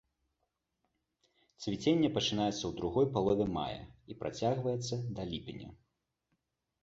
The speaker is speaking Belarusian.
Цвіценне пачынаецца ў другой палове мая і працягваецца да ліпеня.